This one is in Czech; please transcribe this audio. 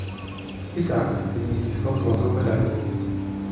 I tak tým získal zlatou medaili.